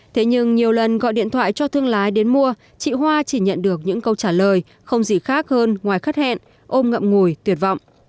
thế nhưng nhiều lần gọi điện thoại cho thương lái đến mua chị hoa chỉ nhận được những câu trả lời không gì khác hơn ngoài khắt hẹn ôm ngậm ngùi tuyệt vọng